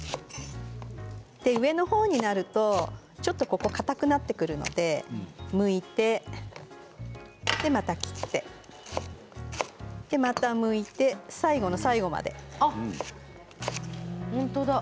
上のほうになるとちょっとかたくなってきますのでむいてまた切ってまたむいて、最後の最後まで。